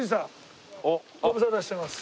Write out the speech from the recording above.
ご無沙汰しています。